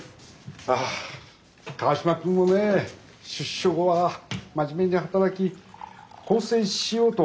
ああ川島君もね出所後は真面目に働き更生しようと頑張ってたんです。